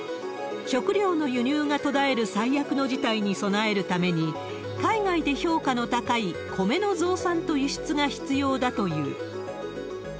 食料の輸入が途絶える最悪の事態に備えるために、海外で評価の高いコメの増産と輸出が必要だという。